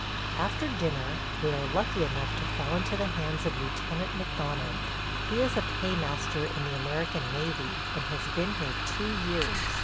... After dinner we are lucky enough to fall into the hands of Lieutenant McDonald. He is a paymaster in the American Navy, and has been here two years.